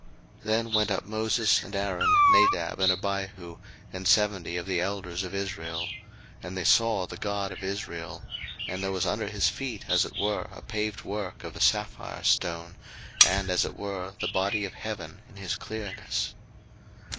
02:024:009 Then went up Moses, and Aaron, Nadab, and Abihu, and seventy of the elders of Israel: 02:024:010 And they saw the God of Israel: and there was under his feet as it were a paved work of a sapphire stone, and as it were the body of heaven in his clearness.